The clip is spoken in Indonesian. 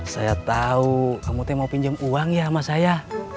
saya tahu kamu mau pinjam uang ya sama saya